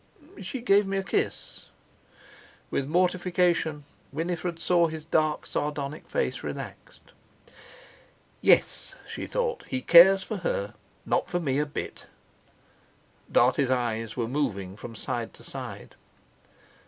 "She gave me a kiss." With mortification Winifred saw his dark sardonic face relaxed. "Yes!" she thought, "he cares for her, not for me a bit." Dartie's eyes were moving from side to side.